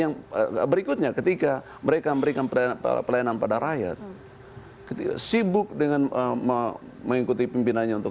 yang berikutnya ketika mereka memberikan pelayanan pada rakyat ketika sibuk dengan mengikuti pimpinannya untuk